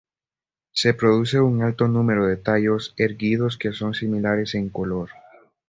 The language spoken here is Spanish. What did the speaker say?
Se produce un alto número de tallos erguidos que son similares en color.